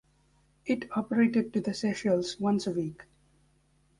It operated to the Seychelles once a week.